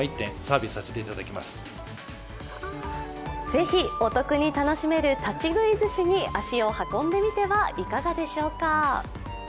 ぜひお得に楽しめる立ち食いずしに足を運んでみてはいかがでしょうか？